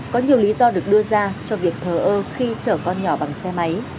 có nhiều lý do được đưa ra cho việc thờ ơ khi chở con nhỏ bằng xe máy